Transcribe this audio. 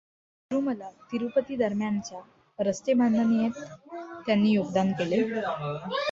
तिरुमला तिरुपती दरम्यानच्या रस्तेबांधणीतहेए त्यांनी योगदान केले.